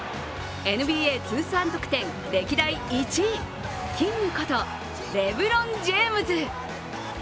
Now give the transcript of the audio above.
ＮＢＡ通算得点歴代１位、キングことレブロン・ジェームズ。